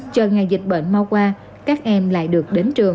chờ ngày dịch bệnh mau qua các em lại được đến trường